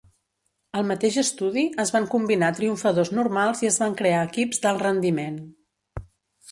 Al mateix estudi, es van combinar triomfadors normals i es van crear equips d'alt rendiment.